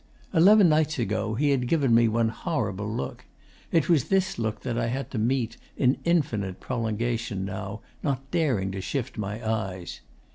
'Eleven nights ago he had given me one horrible look. It was this look that I had to meet, in infinite prolongation, now, not daring to shift my eyes.